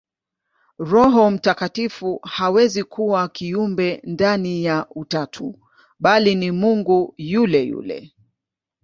Roho Mtakatifu hawezi kuwa kiumbe ndani ya Utatu, bali ni Mungu yule yule.